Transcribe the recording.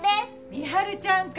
美晴ちゃんか。